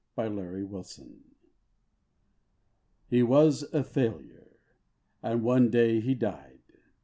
COMPASSION HE was a failure, and one day he died.